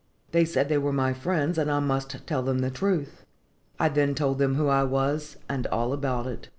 They said they were my friends, and I must tell them the truth. I then told them who I was and all about it.